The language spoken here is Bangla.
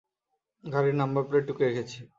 গাড়ির নাম্বার প্লেট টুকে রেখেছি।